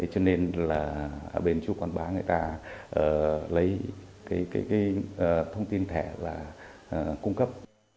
cho nên là ở bên chủ quán ba người ta lấy cái thông tin thẻ và cung cấp